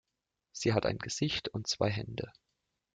Sie hat ein Gesicht und zwei Hände.